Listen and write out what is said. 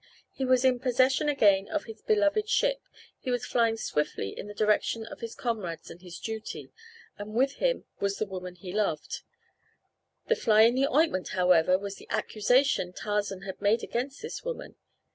He was in possession again of his beloved ship, he was flying swiftly in the direction of his comrades and his duty, and with him was the woman he loved. The fly in the ointment, however, was the accusation Tarzan had made against this woman.